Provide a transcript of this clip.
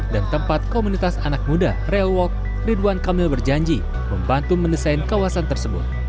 dan tempat komunitas anak muda railwalk ridwan kamil berjanji membantu mendesain kawasan tersebut